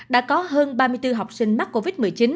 đã có hơn ba mươi bốn học sinh mắc covid một mươi chín